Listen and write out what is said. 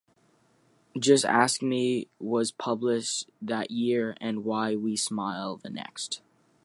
"Just Ask Me" was published that year, and "Why We Smile" the next.